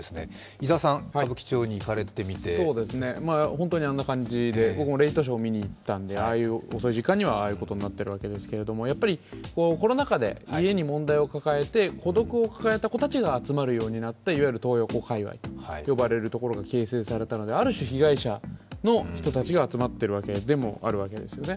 伊沢さん、歌舞伎町に行かれてみて本当にあんな感じで、僕もレイトショーを見に行ったのでああいう遅い時間にはああいうことになってるわけですがコロナ禍で家に問題を抱えていて孤独を抱えた子たちが集まるようになっていわゆるトー横界隈というところが形成されたので、ある種被害者の人たちが集まっているわけでもあるわけですよね。